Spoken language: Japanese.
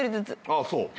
あっそう。